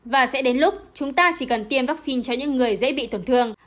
và sẽ đến lúc chúng ta chỉ cần tiêm vaccine cho những người dễ bị tổn thương